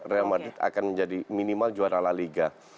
real madrid akan menjadi minimal juara la liga